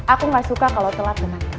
aku gak suka kalau telat teman teman